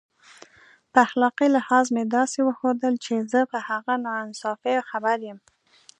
په اخلاقي لحاظ مې داسې وښودل چې زه په هغه ناانصافیو خبر یم.